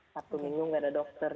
sabtu minggu nggak ada dokter